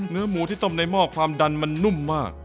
เนื้อหมูที่ต้มในหม้อความดันมันนุ่มมาก